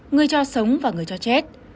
người cho sống và người cho chết